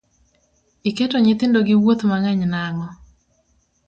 Iketo nyithindo gi wuoth mang'eny nang'o?